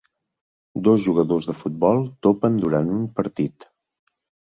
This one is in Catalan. Dos jugadors de futbol topen durant un partit.